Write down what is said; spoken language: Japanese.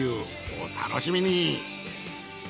お楽しみに。